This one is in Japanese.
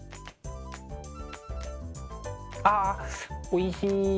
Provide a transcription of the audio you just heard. あおいしい！